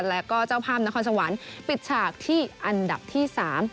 แล้วก็เจ้าภาพนครสวรรค์ปิดฉากที่อันดับที่สาม